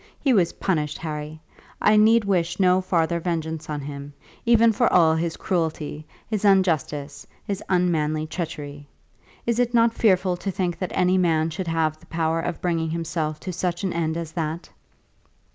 He was punished, Harry. I need wish no farther vengeance on him, even for all his cruelty, his injustice, his unmanly treachery. Is it not fearful to think that any man should have the power of bringing himself to such an end as that?"